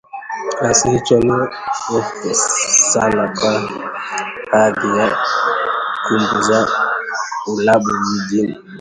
Kiasi hicho ni mufti sana kwa hadhi ya kumbi za ulabu vijijini